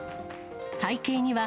背景には、